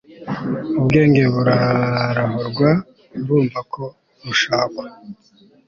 ubwenge burarahurwa urumva ko bushakwa